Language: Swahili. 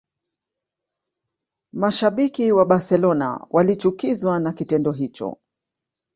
Mashabiki wa Barcelona walichukizwa na kitendo hicho